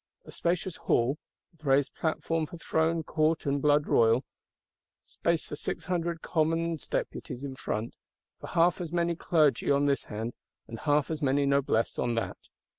A spacious Hall: with raised platform for Throne, Court and Blood royal; space for six hundred Commons Deputies in front; for half as many Clergy on this hand, and half as many Noblesse on that.